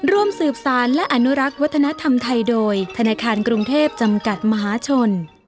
ร่วมสืบสารและอนุรักษ์วัฒนธรรมไทยโดยธนาคารกรุงเทพจำกัดมหาชน